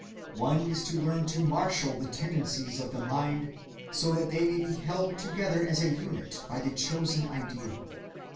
One is to learn to marshal the tendencies of the mind, so that they may be held together as a unit by the chosen ideal.